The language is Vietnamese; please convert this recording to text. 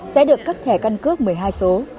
sẽ được cấp thẻ căn cước một mươi hai số